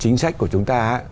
chính sách của chúng ta